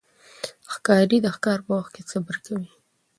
ښکاري د ښکار په وخت کې صبر کوي.